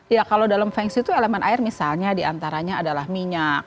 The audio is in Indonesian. ya kalau dalam feng itu elemen air misalnya diantaranya adalah minyak